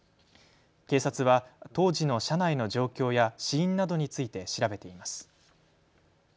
警察は当時の車内の状況や死因などについて調べています。